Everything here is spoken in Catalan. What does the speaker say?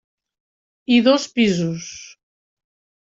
I dos pisos.